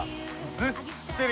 ずっしり。